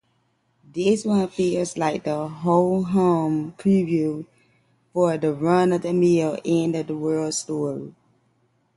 This one feels like the ho-hum preview for a run-of-the-mill end-of-the-world story.